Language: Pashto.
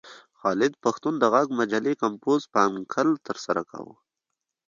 خالد پښتون د غږ مجلې کمپوز په انکل ترسره کاوه.